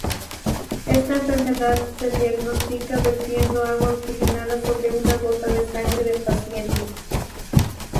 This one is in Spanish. Esta enfermedad se diagnostica vertiendo agua oxigenada sobre una gota de sangre del paciente.